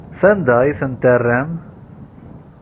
Sanda ay tent-terram?